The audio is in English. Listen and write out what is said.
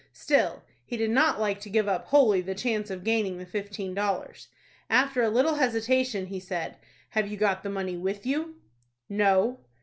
Still he did not like to give up wholly the chance of gaining the fifteen dollars. After a little hesitation, he said, "Have you got the money with you?" "No."